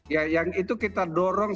ya yang itu kita dorong